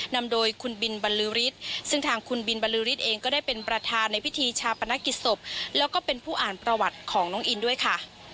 นำโดยคุณบินบรรลือฤทธิ์ซึ่งทางคุณบินบรรลือฤทธิ์เองก็ได้เป็นประธานในพิธีชาปนกิจศพแล้วก็เป็นผู้อ่านประวัติของน้องอินด้วยค่ะ